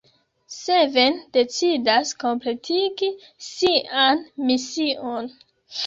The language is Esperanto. Seven decidas kompletigi sian mision.